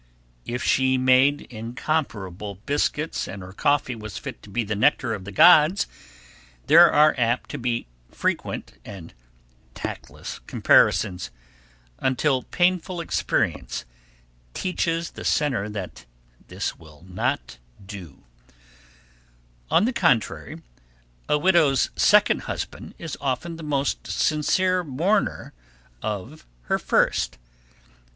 If she made incomparable biscuits and her coffee was fit to be the nectar of the gods, there are apt to be frequent and tactless comparisons, until painful experience teaches the sinner that this will not do. [Sidenote: "A Shining Mark"] On the contrary, a widow's second husband is often the most sincere mourner of her first.